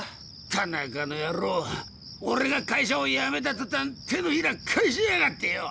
タナカのやろうオレが会社をやめたとたん手のひら返しやがってよ！